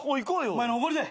お前のおごりで。